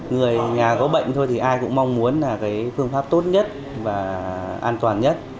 người nhà có bệnh thôi thì ai cũng mong muốn phương pháp tốt nhất và an toàn nhất